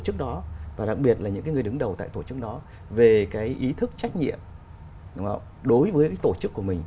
tổ chức đó và đặc biệt là những cái người đứng đầu tại tổ chức đó về cái ý thức trách nhiệm đối với tổ chức của mình